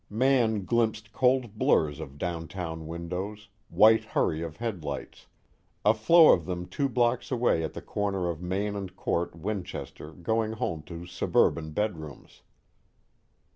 Mann glimpsed gold blurs of downtown windows, white hurry of headlights, a flow of them two blocks away at the corner of Main and Court, Winchester going home to suburban bedrooms.